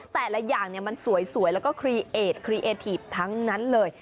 แต่ละอย่างมันสวยแล้วก็ครีเอดครีเอทีฟทั้งนั้นเลย